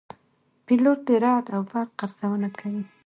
پیلوټ د رعد او برق ارزونه کوي.